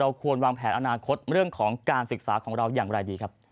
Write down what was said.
ควรวางแผนอนาคตเรื่องของการศึกษาของเราอย่างไรดีครับ